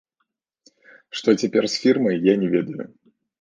Што цяпер з фірмай, я не ведаю.